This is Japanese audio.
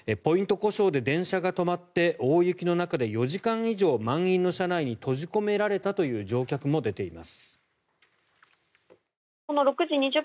故障で電車が止まって大雪の中で４時間以上満員の車内に閉じ込められたという乗客も出ています。